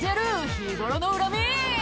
「日頃の恨み！」